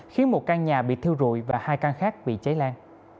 khiến một căn nhà bị thiêu rụi và hai căn khác bị cháy lan